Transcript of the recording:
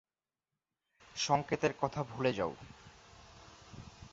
সংকেতের কথা ভুলে যাও।